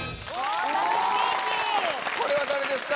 ・これは誰ですか？